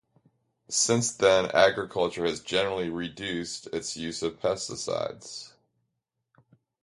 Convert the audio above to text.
Since then, agriculture has generally reduced its use of pesticides.